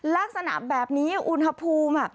ลักษณะแบบนี้อุณหภูมิ